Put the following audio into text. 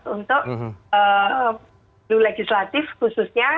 untuk legislatif khususnya